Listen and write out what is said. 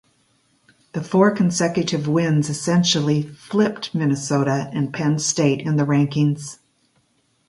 The four consecutive wins essentially flipped Minnesota and Penn State in the rankings.